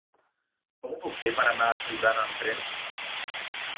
Com ho puc fer per anar a Tiurana amb tren?